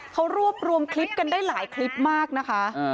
เขารวบรวมคลิปกันได้หลายคลิปมากนะคะ